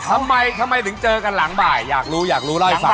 ทำไมทำไมถึงเจอกันหลังบ่ายอยากรู้อยากรู้เล่าให้ฟัง